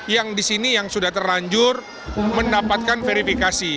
yang di sini yang sudah terlanjur mendapatkan verifikasi